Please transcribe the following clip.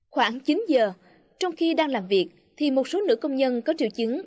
khoảng chín giờ trong khi đang làm việc thì một số nữ công nhân có triệu chứng